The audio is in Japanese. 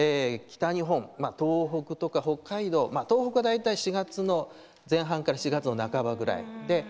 北日本、東北とか北海道東北は大体４月の前半から４月の半ばぐらい。